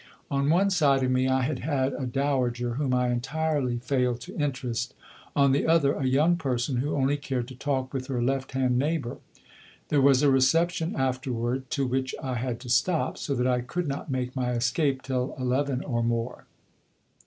On one side of me I had had a dowager whom I entirely failed to interest, on the other, a young person who only cared to talk with her left hand neighbour. There was a reception afterward to which I had to stop, so that I could not make my escape till eleven or more.